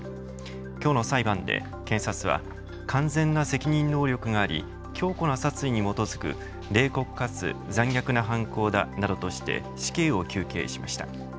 きょうの裁判で検察は完全な責任能力があり強固な殺意に基づく冷酷かつ残虐な犯行だなどとして死刑を求刑しました。